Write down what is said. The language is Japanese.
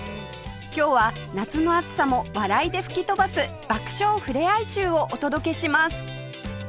今日は夏の暑さも笑いで吹き飛ばす爆笑ふれあい集をお届けします